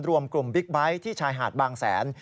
รวมกลุ่มบิ๊กไบท์ที่ชายหาดบางแสน